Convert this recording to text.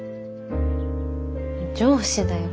上司だよ